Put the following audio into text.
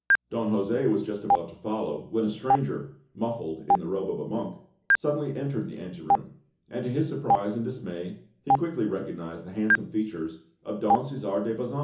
Don José was just about to follow, when a stranger, muffled in the robe of a monk, suddenly entered the ante room; and to his surprise and dismay, he quickly recognised the handsome features of Don Cæsar de Bazan!